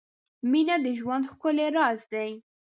• مینه د ژوند ښکلی راز دی.